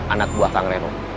anak buah kang reno